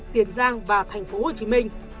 tiền giang và tp hcm